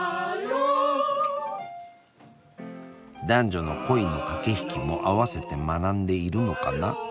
男女の恋の駆け引きも併せて学んでいるのかな。